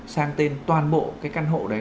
sang tên toàn bộ cái căn hộ đấy